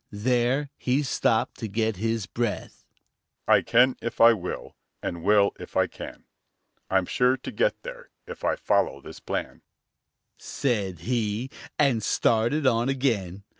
There he stopped to get his breath. "I can if I will, and will if I can! I'm sure to get there if I follow this plan," said he and started on again.